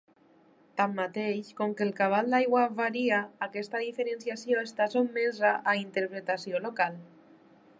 Tanmateix, com que el cabal d'aigua varia, aquesta diferenciació està sotmesa a interpretació local.